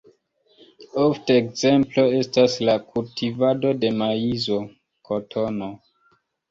Ofte ekzemplo estas la kultivado de maizo, kotono.